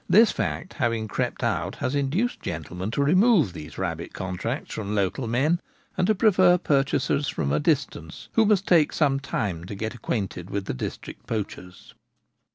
This fact having crept out has induced gentlemen to remove these rabbit contracts from local men, and to prefer pur chasers from a distance, who must take some time to get acquainted with the district poachers.